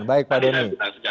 baik pak denny